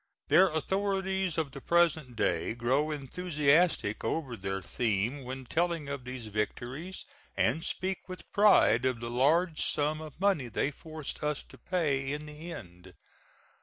Their authorities of the present day grow enthusiastic over their theme when telling of these victories, and speak with pride of the large sum of money they forced us to pay in the end.